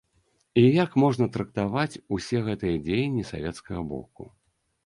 І як можна трактаваць усе гэтыя дзеянні савецкага боку?